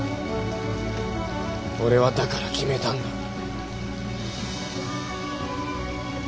俺はだから決めたんだ。